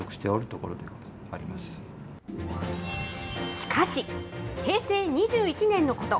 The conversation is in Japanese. しかし、平成２１年のこと。